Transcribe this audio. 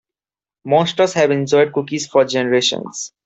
Monsters have enjoyed cookies for generations.